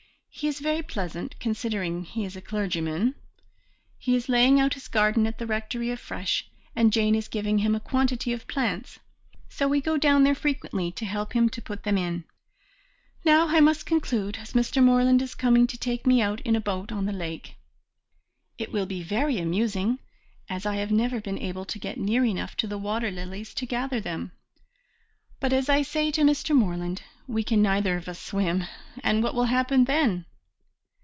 He is very pleasant, considering he is a clergyman. He is laying out his garden at the Rectory afresh, and Jane is giving him a quantity of plants, so we go down there frequently to help him to put them in. Now I must conclude, as Mr. Morland is coming to take me out in a boat on the lake. It will be very amusing, as I have never been able to get near enough to the water lilies to gather them, but as I say to Mr. Morland, we can neither of us swim, and what will happen then?